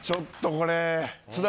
これ。